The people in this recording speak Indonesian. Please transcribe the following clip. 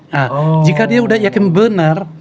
nah jika dia udah yakin benar